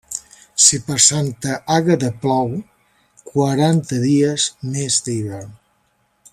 Si per Santa Àgueda plou, quaranta dies més d'hivern.